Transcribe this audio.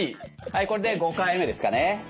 はいこれで５回目ですかね。